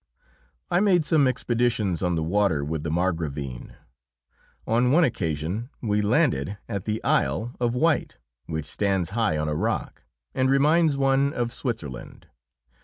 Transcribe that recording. I made some expeditions on the water with the Margravine. On one occasion we landed at the Isle of Wight, which stands high on a rock, and reminds one of Switzerland.